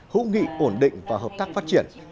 hữu nghị ổn định và hợp tác phát triển